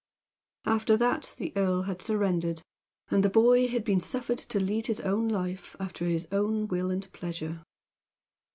After that the earl had surrendered, and the boy had been suffered to lead his own life after his own will and pleasure.